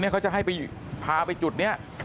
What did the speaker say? เขาจะให้ไปพาไปจุดนี้